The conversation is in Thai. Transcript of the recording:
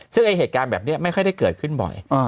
ซึ่งเหตุการณ์แบบนี้ไม่ค่อยได้เกิดขึ้นบ่อย